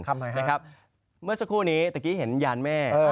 นะครับเมื่อสักครู่นี้ตะกี้เห็นยานแม่